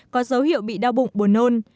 có dấu hiệu bị đau bụng bồn nôn